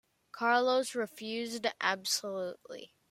Carlos refused absolutely.